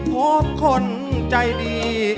พบคนใจดี